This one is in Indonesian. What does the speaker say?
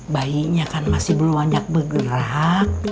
bayinya kan masih belum banyak bergerak